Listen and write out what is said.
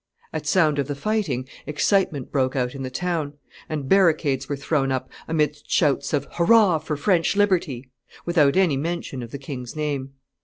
At sound of the fighting, excitement broke out in the town; and barricades were thrown up, amidst shouts of "Hurrah for French liberty!" without any mention of the king's name.